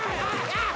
あっ！？